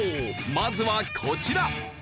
まずはこちら。